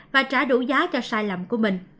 và trả đủ giá cho sai lầm của mình